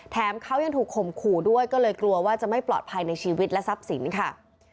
เขายังถูกข่มขู่ด้วยก็เลยกลัวว่าจะไม่ปลอดภัยในชีวิตและทรัพย์สินค่ะ